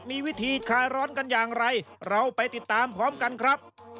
มีวิธีคลายร้อนกันอย่างไรเราไปติดตามพร้อมกันครับ